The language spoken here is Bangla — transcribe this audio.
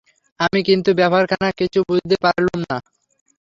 আমি কিন্তু ব্যাপারখানা কিছু বুঝতে পারলুম না।